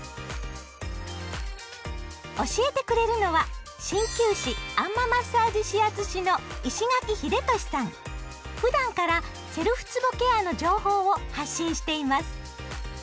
教えてくれるのは鍼灸師あん摩マッサージ指圧師のふだんからセルフつぼケアの情報を発信しています。